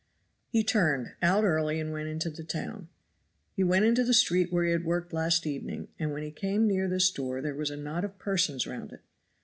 He turned, out early and went into the town. He went into the street where he had worked last evening, and when he came near this door there was a knot of persons round it.